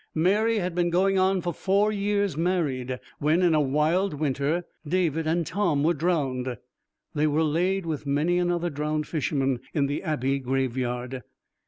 Mary had been going on for four years married, when in a wild winter David and Tom were drowned. They were laid with many another drowned fisherman in the Abbey graveyard.